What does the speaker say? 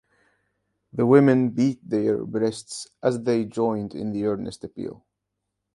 The women beat their breasts as they joined in the earnest appeal.